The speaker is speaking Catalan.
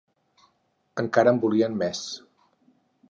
Encara en volien més.